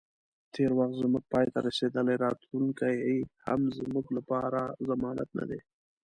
تیر وخت زمونږ پای ته رسیدلی، راتلونی هم زموږ لپاره ضمانت نه دی